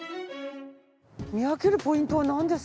見分けるポイントはなんですか？